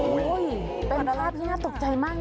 โอ้โฮเป็นภาพที่น่าตกใจมากนะ